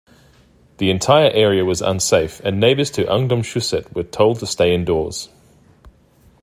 The entire area was unsafe and neighbors to Ungdomshuset were told to stay indoors.